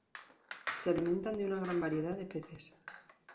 Se alimentan de una gran variedad de peces.